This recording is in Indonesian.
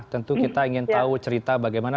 tentu kita ingin tahu cerita bagaimana